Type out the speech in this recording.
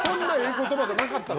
言葉じゃなかった。